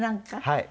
はい。